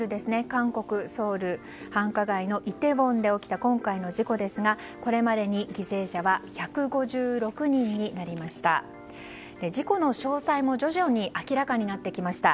韓国ソウル繁華街のイテウォンで起きた今回の事故ですがこれまでに犠牲者は１５６人になりました。